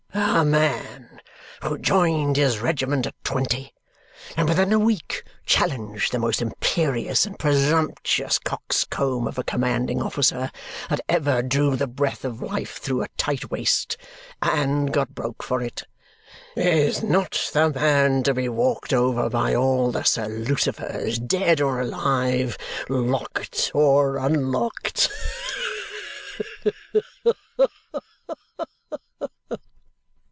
A man who joined his regiment at twenty and within a week challenged the most imperious and presumptuous coxcomb of a commanding officer that ever drew the breath of life through a tight waist and got broke for it is not the man to be walked over by all the Sir Lucifers, dead or alive, locked or unlocked.